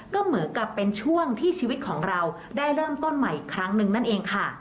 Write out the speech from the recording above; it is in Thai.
ก็เหมือนกับเป็นช่วงที่ชีวิตของเราได้เริ่มต้นใหม่อีกครั้งหนึ่งนั่นเองค่ะ